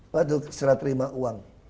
waktu serah terima uang